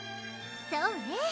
そうね